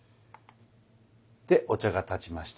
でお茶が点ちました。